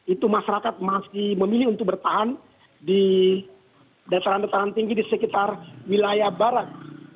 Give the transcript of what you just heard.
itu masyarakat masih memilih untuk bertahan di dataran dataran tinggi di sekitar wilayah barat